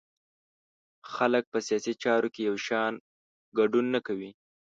خلک په سیاسي چارو کې یو شان ګډون نه کوي.